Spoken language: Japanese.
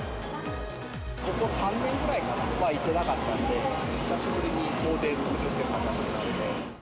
ここ３年ぐらいかな、行ってなかったんで、久しぶりに遠出するという形なんで。